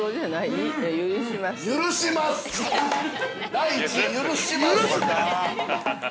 第１位、許します！